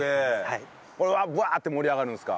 これがバーッて盛り上がるんですか？